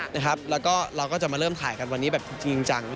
แล้วก็เราก็จะมาเริ่มถ่ายกันวันนี้แบบจริงจัง